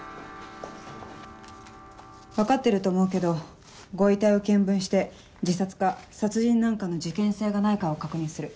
分かってると思うけどご遺体を検分して自殺か殺人なんかの事件性がないかを確認する。